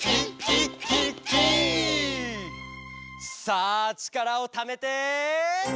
「さあちからをためて！」